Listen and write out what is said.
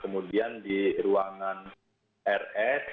kemudian di ruangan rl